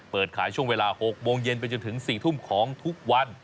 เปิดขายช่วงเวลา๖โมงเย็นไปจนถึง๔ทุ่มของทุกวัน